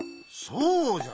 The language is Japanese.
そうじゃ。